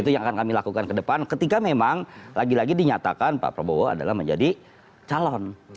itu yang akan kami lakukan ke depan ketika memang lagi lagi dinyatakan pak prabowo adalah menjadi calon